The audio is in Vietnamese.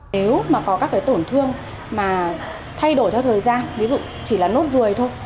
nếu mà có các cái tổn thương mà thay đổi theo thời gian ví dụ chỉ là nốt ruồi thôi